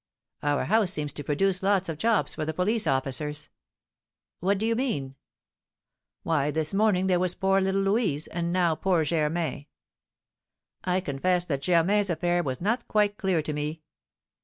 "Our house seems to produce lots of jobs for the police officers." "What do you mean?" "Why, this morning there was poor little Louise, and now poor Germain." "I confess that Germain's affair was not quite clear to me."